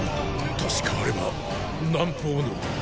確かあれは南方の。